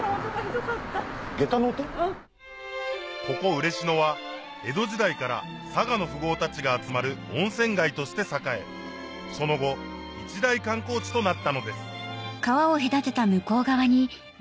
ここ嬉野は江戸時代から佐賀の富豪たちが集まる温泉街として栄えその後一大観光地となったのです